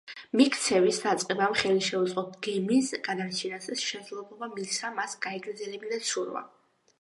მიქცევის დაწყებამ ხელი შეუწყო გემის გადარჩენას და შესაძლებლობა მისცა მას გაეგრძელებინა ცურვა.